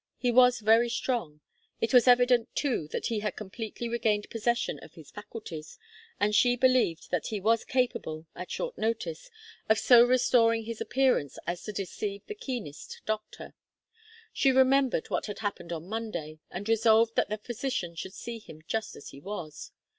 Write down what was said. He was very strong. It was evident, too, that he had completely regained possession of his faculties, and she believed that he was capable, at short notice, of so restoring his appearance as to deceive the keenest doctor. She remembered what had happened on Monday, and resolved that the physician should see him just as he was.